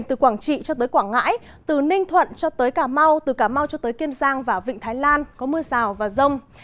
ninh thuận cho tới cà mau từ cà mau cho tới kiên giang và vịnh thái lan có mưa rào và rông